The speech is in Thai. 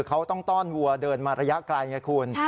เขาต้องต้อนวัวเดินมาระยะกลายอย่างนี้คุณ